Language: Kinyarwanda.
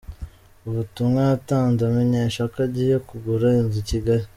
Ubutumwa yatanze amenyesha ko agiye kugura inzu i Kigali.